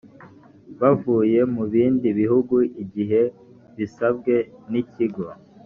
bavuye mu bindi bihugu igihe bisabwe n ikigo